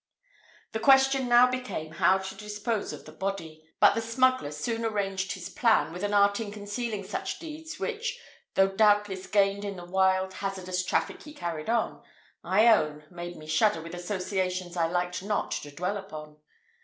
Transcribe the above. The question now became how to dispose of the body; but the smuggler soon arranged his plan, with an art in concealing such deeds, which, though doubtless gained in the wild hazardous traffic he carried on, I own, made me shudder with associations I liked not to dwell upon.